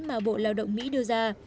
mà bộ lao động mỹ đưa ra